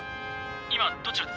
今どちらですか？